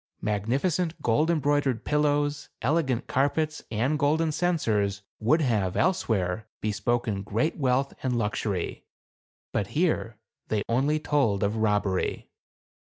Magnificent gold embroidered pillows, elegant carpets, and golden censers, would have, else where, bespoken great wealth and luxury ; but here they only told of robbery.